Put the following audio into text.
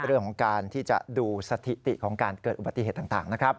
เรื่องของการที่จะดูสถิติของการเกิดอุบัติเหตุต่างนะครับ